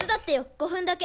５分だけ。